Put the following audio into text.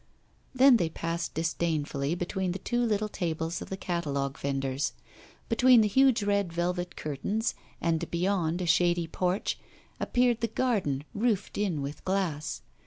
Then they passed disdainfully between the two little tables of the catalogue vendors. Between the huge red velvet curtains and beyond a shady porch appeared the garden, roofed in with glass.